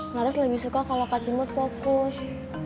laras lebih suka kalau kak cimot fokus